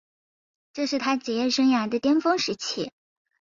这是他职业生涯的巅峰时期。